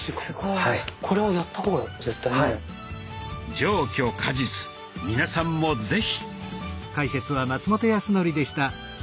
上虚下実皆さんも是非！